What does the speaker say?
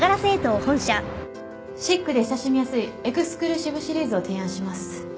シックで親しみやすいエクスクルーシブシリーズを提案します。